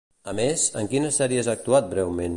A més, en quines sèries ha actuat breument?